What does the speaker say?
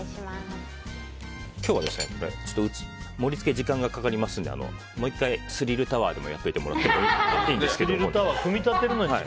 今日は盛り付けに時間がかかりますのでもう１回、スリルタワーでもやっておいてもらってスリルタワー